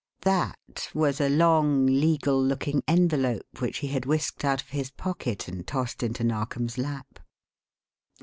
"That" was a long legal looking envelope which he had whisked out of his pocket and tossed into Narkom's lap.